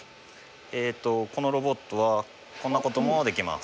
えっとこのロボットはこんなこともできます。